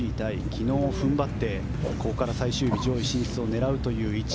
昨日、踏ん張ってここから最終日上位進出を狙う位置。